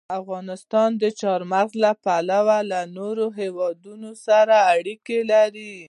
افغانستان د چار مغز له پلوه له نورو هېوادونو سره اړیکې لري.